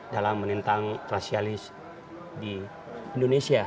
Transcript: dalam menentang rasialis di indonesia